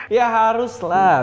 ya harus lah